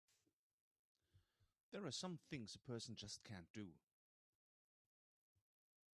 There are some things a person just can't do!